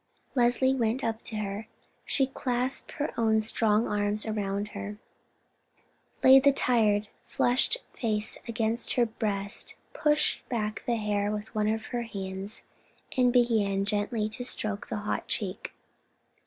Leslie went up to her; she clasped her own strong arms round her, laid the tired, flushed face against her breast, pushed back the hair with one of her hands, and began gently to stroke the hot cheek.